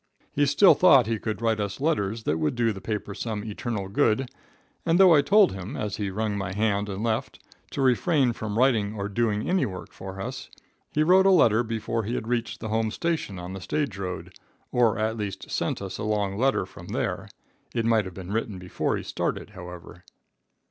He still thought he could write us letters that would do the paper some eternal good, and though I told him, as he wrung my hand and left, to refrain from writing or doing any work for us, he wrote a letter before he had reached the home station on the stage road, or at least sent us a long letter from there. It might have been written before he started, however.